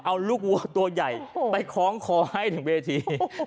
เอาลูกวัวตัวใหญ่ไปคล้องคอให้ถึงเวที